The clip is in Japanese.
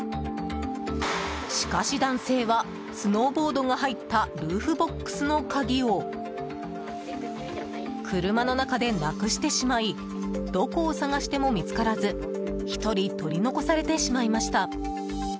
しかし男性はスノーボードが入ったルーフボックスの鍵を車の中でなくしてしまいどこを探しても見つからず１人、取り残されてしまいました。